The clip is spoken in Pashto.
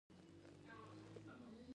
بښنه د روح سکون ده.